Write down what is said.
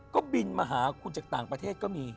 ก็บินมาหาคุณจากต่างประเทศก็มี